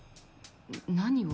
何を？